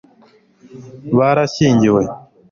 barashyingiwe